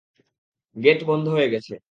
Gate বন্ধ হয়ে গেছে।